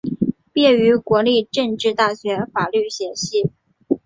毕业于国立政治大学法律学系。